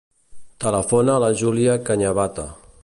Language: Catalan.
Telefona a la Júlia Cañabate.